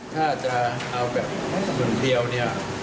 ถ้าจะเอาแบบสมุนเทียวเนี่ย